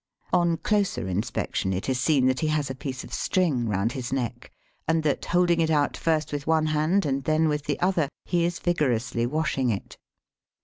On closer inspection it is seen that he has a piece of string round his neck, and that, holding it out first with one hand and then with the other, he is vigorously washing it.